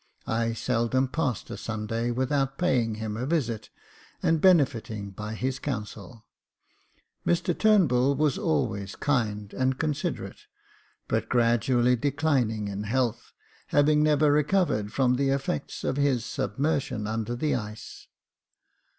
I seldom passed a Sunday without paying him a visit, and benefiting by his counsel. Mr Turnbull was always kind Jacob Faithful 341 and considerate, but gradually declining in health, having never recovered from the effects of his submersion under the ice.